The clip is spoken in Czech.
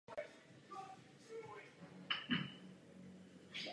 Žádný paket nebyl ztracen.